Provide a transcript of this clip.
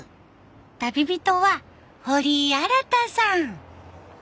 旅人は堀井新太さん。